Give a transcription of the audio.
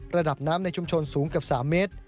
ระดับน้ำในชุมชนสูงเกือบ๓เมตร